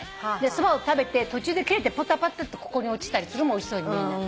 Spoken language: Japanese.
そばを食べて途中で切れてポタポタってここに落ちたりするのもおいしそうに見えない。